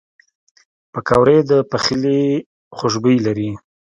پکورې د پخلي خوشبویي لري